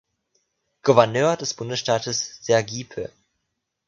Gouverneur des Bundesstaats Sergipe.